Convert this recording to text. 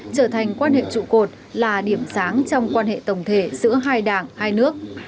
trở thành quan hệ trụ cột là điểm sáng trong quan hệ tổng thể giữa hai đảng hai nước